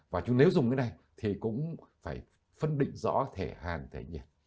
và nếu dùng cái này thì cũng phải phân định rõ thể hàn thể nhiệt